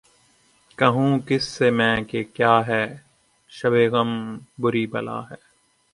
کہوں کس سے میں کہ کیا ہے شب غم بری بلا ہے